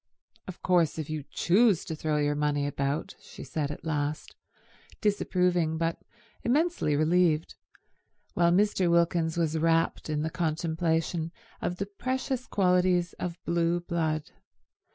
"Of course if you choose to throw your money about—" she said at last, disapproving but immensely relieved, while Mr. Wilkins was rapt in the contemplation of the precious qualities of blue blood.